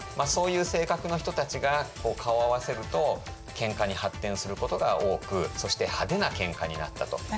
そういう性格の人たちが顔を合わせると喧嘩に発展することが多くそして派手な喧嘩になったと。